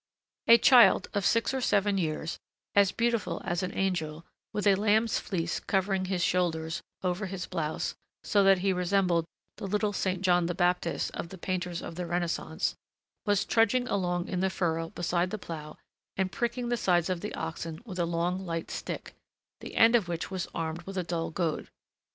A child of six or seven years, as beautiful as an angel, with a lamb's fleece covering his shoulders, over his blouse, so that he resembled the little Saint John the Baptist of the painters of the Renaissance, was trudging along in the furrow beside the plough and pricking the sides of the oxen with a long, light stick, the end of which was armed with a dull goad.